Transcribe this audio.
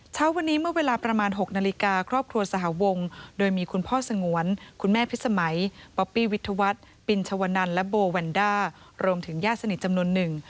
เช้าวันนี้เมื่อเวลาประมาณ๖นาฬิกาครอบครัวสหวงโดยมีคุณพ่อสงวนคุณแม่พิสมัยป๊อปปี้วิทยาวัฒน์ปินชวนันและโบแวนด้ารวมถึงญาติสนิทจำนวนหนึ่ง